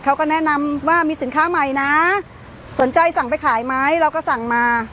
เขาก็แนะนำว่ามีสินค้าใหม่นะสนใจสั่งไปขายไหมเราก็สั่งมา